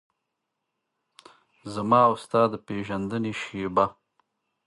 زما او ستا د پیژندنې شیبه